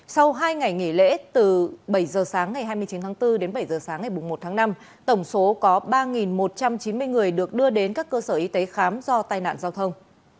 sau hai ngày nghỉ lễ từ bảy giờ sáng ngày hai mươi chín tháng bốn đến bảy giờ sáng ngày một tháng năm tổng số có ba một trăm chín mươi người được đưa đến các cơ sở y tế khám do tai nạn giao thông